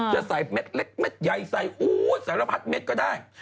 จะใส่เม็ดเล็กเม็ดใหญ่ใส่สารพัดเม็ดก็ได้